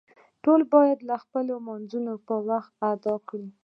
ټول باید خپل لمونځونه په وخت ادا کړو